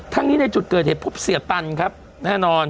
ทั้งนี้ในจุดเกิดเหตุพบเสียตันครับแน่นอน